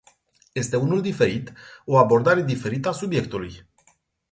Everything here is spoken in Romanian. Este unul diferit, o abordare diferită a subiectului.